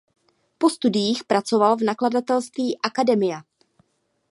Po studiích pracoval v nakladatelství Academia.